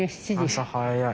朝早い。